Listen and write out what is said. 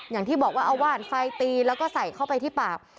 อย่างที่บอกว่าเอาว่านไฟตีแล้วก็ใส่เข้าไปที่ปาก